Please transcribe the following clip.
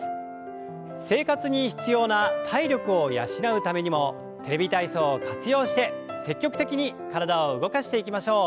生活に必要な体力を養うためにも「テレビ体操」を活用して積極的に体を動かしていきましょう。